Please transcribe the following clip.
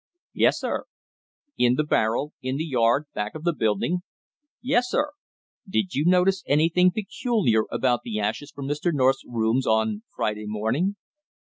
"Yes, sir." "In the barrel in the yard back of the building?" "Yes, sir." "Did you notice anything peculiar about the ashes from Mr. North's rooms on Friday morning?"